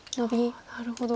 なるほど。